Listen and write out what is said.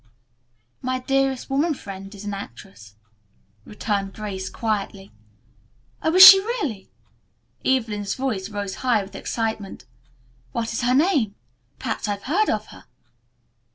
"My dearest woman friend is an actress," returned Grace quietly. "Oh, is she really?" Evelyn's voice rose high with excitement. "What is her name? Perhaps I've heard of her."